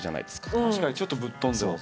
確かにちょっとぶっ飛んでますね。